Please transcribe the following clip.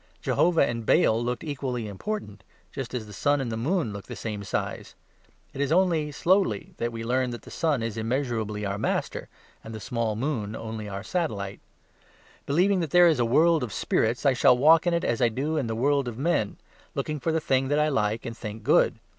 Jehovah and Baal looked equally important, just as the sun and the moon looked the same size. It is only slowly that we learn that the sun is immeasurably our master, and the small moon only our satellite. Believing that there is a world of spirits, I shall walk in it as I do in the world of men, looking for the thing that I like and think good.